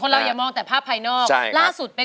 ล็อบบี้ล็อบบี้